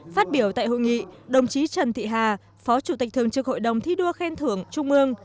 phát biểu tại hội nghị đồng chí trần thị hà phó chủ tịch thường trực hội đồng thi đua khen thưởng trung ương